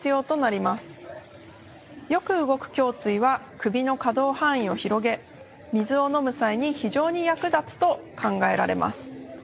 よく動く胸椎は首の可動範囲を広げ水を飲む際に非常に役立つと考えられます。